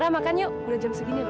lara makan yuk udah jam segini loh ya